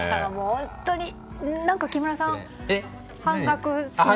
本当に木村さん、半額で。